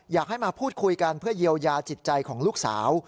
อยากให้มาพูดคุยกันเพื่อเยียวยาจิตใจของลูกสาว